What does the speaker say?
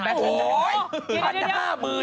หัดภันธ์จ่ายสามหมื่น